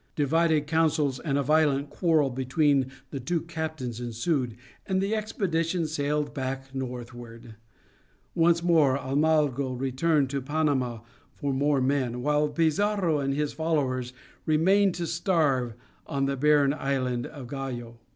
Divided counsels and a violent quarrel between the two captains ensued, and the expedition sailed back northward. Once more Almagro returned to Panama for more men, while Pizarro and his followers remained to starve on the barren isle of Gallo. [Illustration: Pizarro exhorting his band at Gallo.